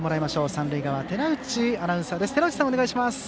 三塁側、寺内アナウンサーです。